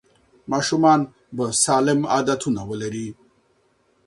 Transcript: ماشومان به سالم عادتونه ولري.